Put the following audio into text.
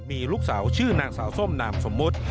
มีลูกสาวชื่อนางสาวส้มนามสมมุติ